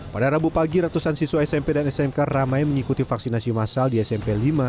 pada rabu pagi ratusan siswa smp dan smk ramai mengikuti vaksinasi massal di smp lima